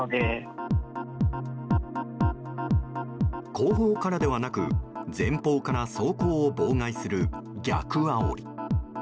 後方からではなく前方から走行を妨害する逆あおり。